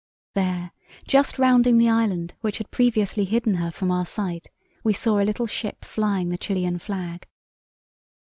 There, just rounding the island which had previously hidden her from our sight, we saw a little ship flying the Chilian flag.